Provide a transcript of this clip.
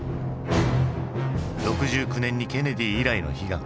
６９年にケネディ以来の悲願